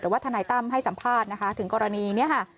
ว่าทนายตั้มให้สัมภาษณ์นะคะถึงกรณีนี้ค่ะ